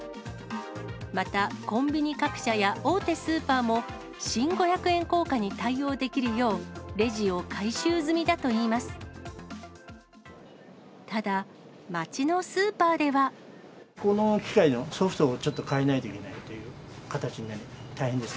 また、コンビニ各社や大手スーパーも、新五百円硬貨に対応できるよう、レジを改修済みだといいます。